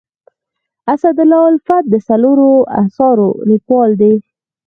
اسدالله الفت د څلورو اثارو لیکوال دی.